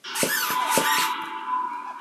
د ده په زړه کې د بیلتون درد ډېر دی.